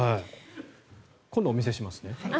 今度お見せしますね。